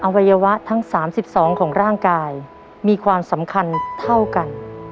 วัยวะทั้ง๓๒ของร่างกายมีความสำคัญเท่ากัน